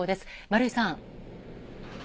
丸井さん。